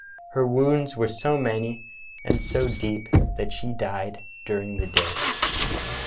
Her vv^ounds were so many and so deep that she died during the day.